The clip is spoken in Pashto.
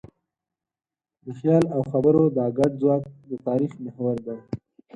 د خیال او خبرو دا ګډ ځواک د تاریخ محور دی.